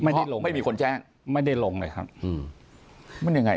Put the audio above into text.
ไม่ได้ลงไม่มีคนแจ้งไม่ได้ลงเลยครับอืมมันยังไง